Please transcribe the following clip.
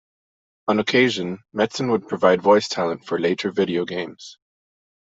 On occasion, Metzen would provide voice talent for later video games.